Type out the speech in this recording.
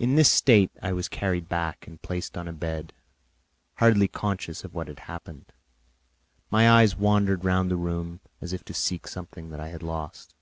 In this state I was carried back and placed on a bed, hardly conscious of what had happened; my eyes wandered round the room as if to seek something that I had lost.